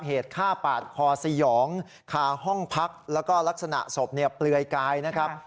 เหตุฆ่าปาดคอสยองคาห้องพักแล้วก็ลักษณะศพเนี่ยเปลือยกายนะครับ